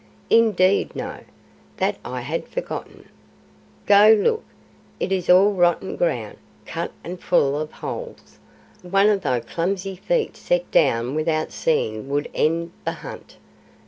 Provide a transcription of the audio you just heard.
"Indeed, no. That I had forgotten." "Go look. It is all rotten ground, cut and full of holes. One of thy clumsy feet set down without seeing would end the hunt.